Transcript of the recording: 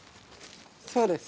そうです。